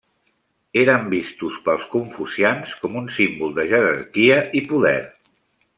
Eren vistos pels confucians com un símbol de jerarquia i poder.